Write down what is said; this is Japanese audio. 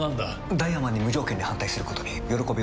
ダイワマンに無条件に反対することに喜びを感じるようです。